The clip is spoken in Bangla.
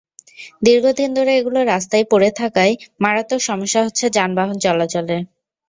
দীর্ঘদিন ধরে এগুলো রাস্তায় পড়ে থাকায় মারাত্মক সমস্যা হচ্ছে যানবাহন চলাচলে।